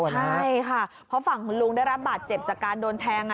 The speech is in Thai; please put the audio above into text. ใช่ค่ะเพราะฝั่งคุณลุงได้รับบาดเจ็บจากการโดนแทง